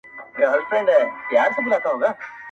چي غزل مي د پرهر ژبه ویله-